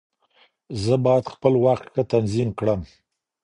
زه بايد خپل وخت ښه تنظيم کړم.